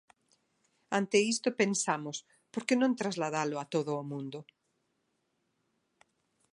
Ante isto pensamos, por que non trasladalo a todo o mundo?